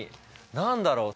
何だろう。